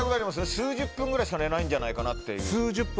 数十分くらいしか寝ないんじゃないかなっていう。